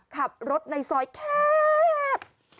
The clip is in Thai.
ขับรถในซอยแคบ